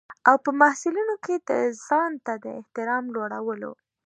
او په محصلینو کې د ځانته د احترام لوړولو.